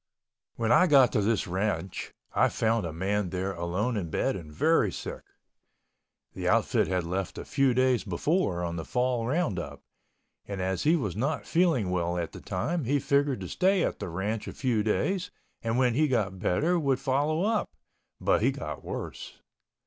When I got to this ranch I found a man there alone in bed and very sick. The outfit had left a few days before on the fall roundup, and as he was not feeling well at the time he figured to stay at the ranch a few days and when he got better would follow up, but he got worse.